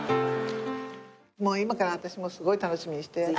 今から私もすごい楽しみにして。